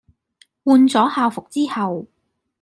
換咗校服之後